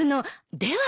では。